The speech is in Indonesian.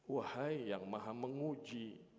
wahai yang maha menguji